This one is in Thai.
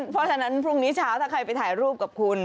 เพราะฉะนั้นพรุ่งนี้เช้าถ้าใครไปถ่ายรูปกับคุณ